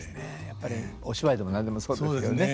やっぱりお芝居でも何でもそうですからね。